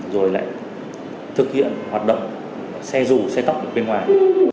rồi lại thực hiện hoạt động xe dù xe tóc ở bên ngoài